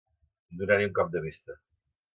Donar-hi un cop de vista.